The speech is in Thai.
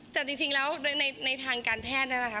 จากจริงแล้วในทางการแพทย์นั้นนะคะ